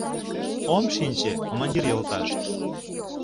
— Ом шинче, командир йолташ...